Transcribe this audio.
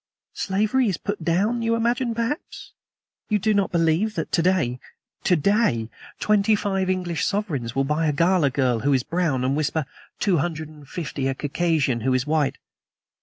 "Slavery is put down, you imagine, perhaps? You do not believe that to day TO DAY twenty five English sovereigns will buy a Galla girl, who is brown, and" whisper "two hundred and fifty a Circassian, who is white.